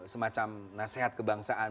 semacam nasihat kebangsaan